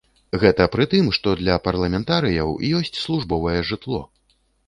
Гэта пры тым, што для парламентарыяў ёсць службовае жытло!